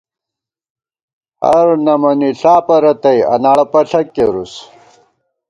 ہر نَمَنِݪا پرَتئی ، انَاڑہ پݪَک کېرُوس